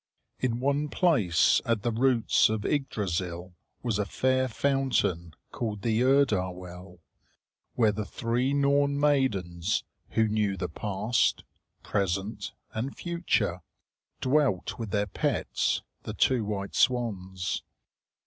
In one place at the roots of Yggdrasil was a fair fountain called the Urdar well, where the three Norn maidens, who knew the past, present, and future, dwelt with their pets, the two white swans.